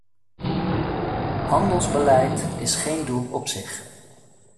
Handelsbeleid is geen doel op zich.